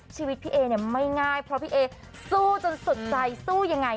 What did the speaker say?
ชีวิตพี่เอเนี่ยไม่ง่ายเพราะพี่เอสู้จนสุดใจสู้ยังไง